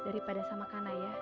daripada sama kanaya